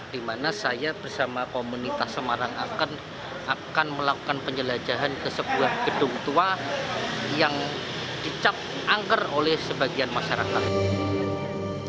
di mana saya bersama komunitas semarang akan melakukan penjelajahan ke sebuah gedung tua yang dicap angker oleh sebagian masyarakat